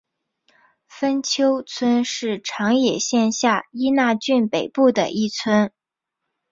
丰丘村是长野县下伊那郡北部的一村。